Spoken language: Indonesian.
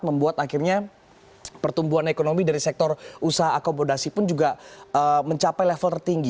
membuat akhirnya pertumbuhan ekonomi dari sektor usaha akomodasi pun juga mencapai level tertinggi